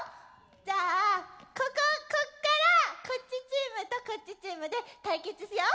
じゃあこここっからこっちチームとこっちチームで対決しよう！